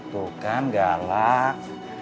tuh kan galak